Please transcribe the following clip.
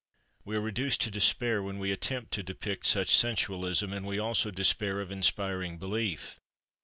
We are reduced to despair when we attempt to depict such sensualism, and we also despair of inspiring belief.